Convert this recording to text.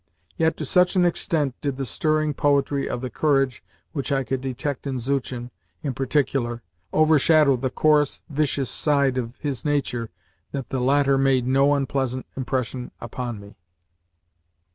Yet to such an extent did the stirring poetry of the courage which I could detect in Zuchin (in particular) overshadow the coarse, vicious side of his nature that the latter made no unpleasant impression upon me.